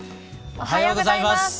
おはようございます！